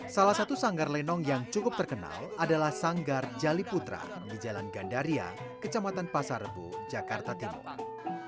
salah satu sanggar lenong yang cukup terkenal adalah sanggar jaliputra di jalan gandaria kecamatan pasar rebo jakarta timur